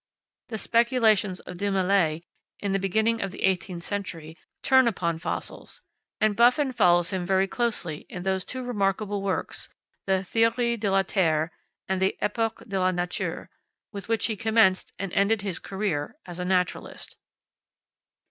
The speculations of De Maillet in the beginning of the eighteenth century turn upon fossils; and Buffon follows him very closely in those two remarkable works, the "Theorie de la Terre" and the "Epoques de la Nature" with which he commenced and ended his career as a naturalist.